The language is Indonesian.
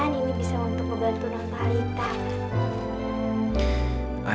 ini kan susu kental manis caprusa